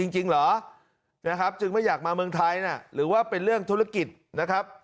จริงเหรอนะครับจึงไม่อยากมาเมืองไทยนะหรือว่าเป็นเรื่องธุรกิจนะครับ